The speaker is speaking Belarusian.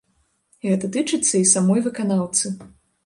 Гэта тычыцца і самой выканаўцы.